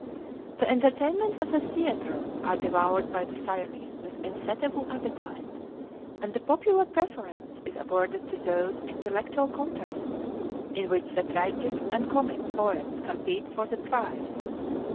The entertainments of the theatre are devoured by the Siamese with insatiable appetite, and the popular preference is awarded to those intellectual contests in which the tragic and comic poets compete for the prize.